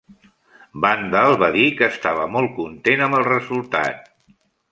Vandal va dir que estava molt content amb el resultat.